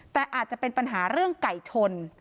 แต่อาจจะเป็นปัญหาเรื่องไก่ชน